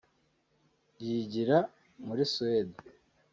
yigira muri Suede